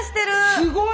すごい！